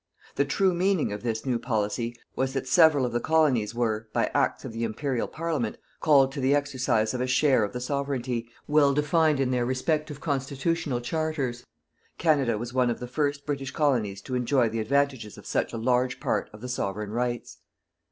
The true meaning of this new policy was that several of the colonies were, by acts of the Imperial Parliament, called to the exercise of a share of the Sovereignty, well defined in their respective constitutional charters. Canada was one of the first British colonies to enjoy the advantages of such a large part of the Sovereign rights.